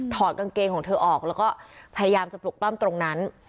อดกางเกงของเธอออกแล้วก็พยายามจะปลุกปล้ำตรงนั้น